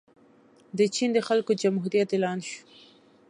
د چین د خلکو جمهوریت اعلان شو.